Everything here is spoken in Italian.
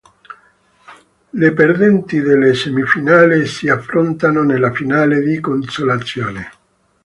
Le perdenti delle semifinali si affrontano nella finale di consolazione.